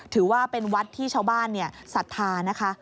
ถือว่าเป็นวัดที่ชาวบ้านศรัทธานะคะ